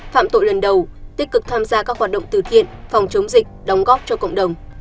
phạm tội lần đầu tích cực tham gia các hoạt động từ thiện phòng chống dịch đóng góp cho cộng đồng